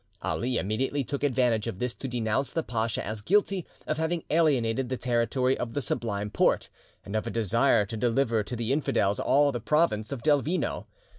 Ali immediately took advantage of this to denounce the pasha as guilty of having alienated the territory of the Sublime Porte, and of a desire to deliver to the infidels all the province of Delvino.